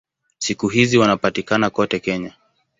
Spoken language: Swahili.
Siku hizi wanapatikana kote Kenya.